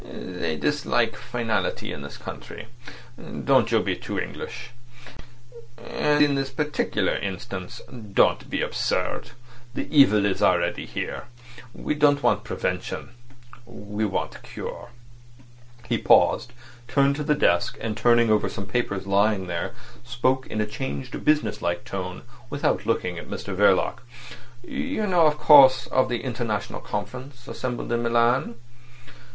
They dislike finality in this country. Don't you be too English. And in this particular instance, don't be absurd. The evil is already here. We don't want prevention—we want cure." He paused, turned to the desk, and turning over some papers lying there, spoke in a changed business like tone, without looking at Mr Verloc. "You know, of course, of the International Conference assembled in Milan?"